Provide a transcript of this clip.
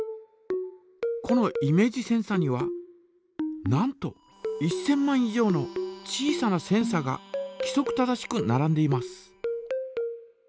このイメージセンサにはなんと１，０００万以上の小さなセンサがきそく正しくならんでいます。